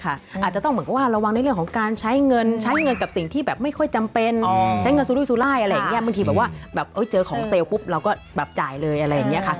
เอายังไงซ้าเรื่องของการใช้เงินบอกไอ้ให้ระวังใช่ไหม